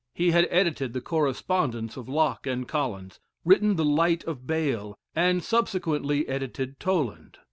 He had edited the correspondence of Locke and Collins, written the lite of Bayle, and subsequently edited Toland.